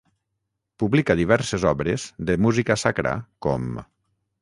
Publica diverses obres de música sacra, com.